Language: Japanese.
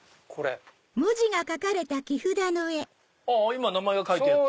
今名前が書いてあった？